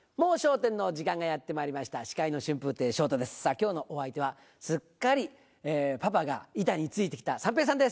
今日のお相手はすっかりパパが板について来た三平さんです。